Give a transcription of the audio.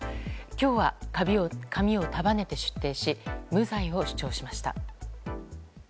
今日は髪を束ねて出廷し無罪を主張しました。